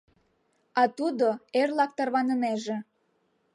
А тудо эрлак тарванынеже.